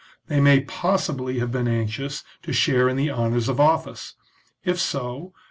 They may possibly have I been anxioifs to share in the honours of office ; if so,